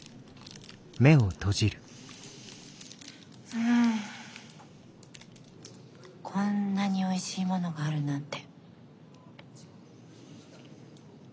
うんこんなにおいしいものがあるなんて。